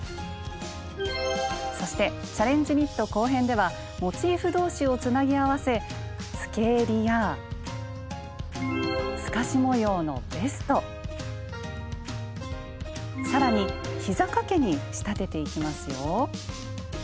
そして「チャレンジニット」後編ではモチーフ同士をつなぎ合わせつけえりや透かし模様のベスト更にひざかけに仕立てていきますよ！